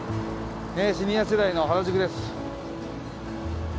シニア世代の原宿です。